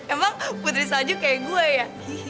emang putri salju kayak gue ya